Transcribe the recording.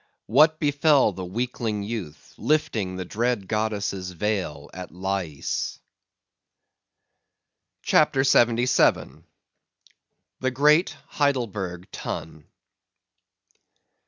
What befell the weakling youth lifting the dread goddess's veil at Lais? CHAPTER 77. The Great Heidelburgh Tun.